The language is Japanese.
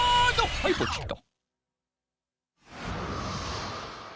はいポチッと。